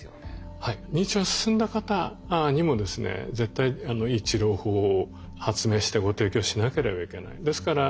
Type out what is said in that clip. はい認知症が進んだ方にもですね絶対いい治療法を発明してご提供しなければいけない。